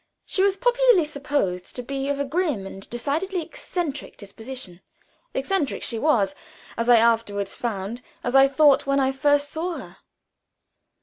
She was popularly supposed to be of a grim and decidedly eccentric disposition. Eccentric she was, as I afterward found as I thought when I first saw her.